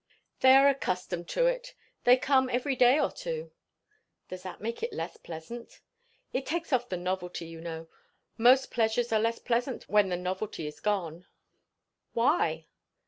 "They are accustomed to it. They come every day or two." "Does that make it less pleasant?" "It takes off the novelty, you know. Most pleasures are less pleasant when the novelty is gone." "Why?"